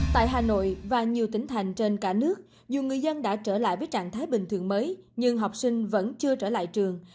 tại hà nội và nhiều tỉnh thành trên cả nước dù người dân đã trở lại với trạng thái bình thường mới nhưng học sinh vẫn chưa trở lại trường